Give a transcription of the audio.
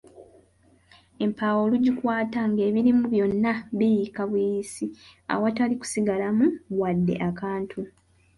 Empaawo olugikwatako ng’ebirimu byonna biyiika buyiisi awatali kusigalamu wadde akantu!